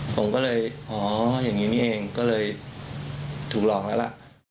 ผมก็เลยอย่างนี้เองก็เลยถูกลองอะไรล่ะ